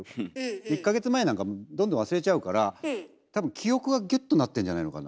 １か月前なんかどんどん忘れちゃうから多分記憶がギュッとなってんじゃないのかな。